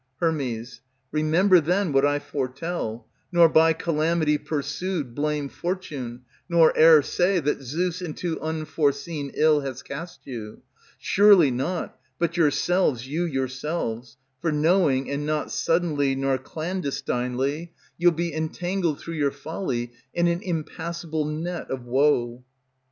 Her. Remember, then, what I foretell; Nor by calamity pursued Blame fortune, nor e'er say That Zeus into unforeseen Ill has cast you; surely not, but yourselves You yourselves; for knowing, And not suddenly nor clandestinely, You'll be entangled through your folly In an impassable net of woe.